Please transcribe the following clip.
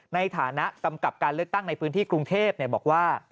ในฐานะกำกับการเลือกตั้งในพื้นที่กรุงเทพบอกว่า